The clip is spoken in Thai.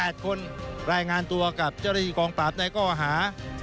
สวัสดีค่ะ